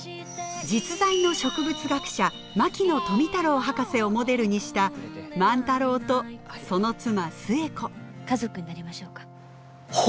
実在の植物学者牧野富太郎博士をモデルにした万太郎とその妻寿恵子家族になりましょうか。